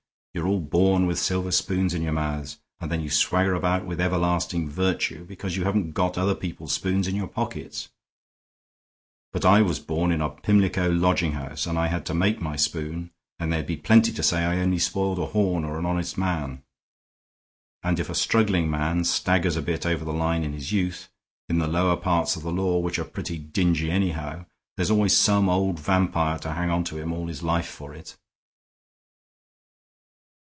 You're all born with silver spoons in your mouths, and then you swagger about with everlasting virtue because you haven't got other people's spoons in your pockets. But I was born in a Pimlico lodging house and I had to make my spoon, and there'd be plenty to say I only spoiled a horn or an honest man. And if a struggling man staggers a bit over the line in his youth, in the lower parts of the law which are pretty dingy, anyhow, there's always some old vampire to hang on to him all his life for it."